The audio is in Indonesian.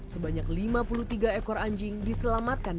sebanyak lima puluh tiga ekor anjing diselamatkan